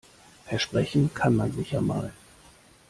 Versprechen kann man sich ja mal.